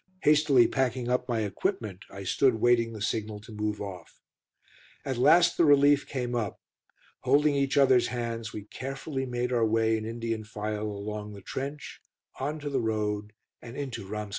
Hastily packing up my equipment, I stood waiting the signal to move off. At last the relief came up. Holding each other's hands, we carefully made our way in Indian file along the trench, on to the road, and into Ramscapelle.